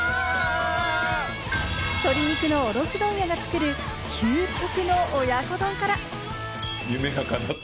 鶏肉の卸問屋が作る究極の親子丼から。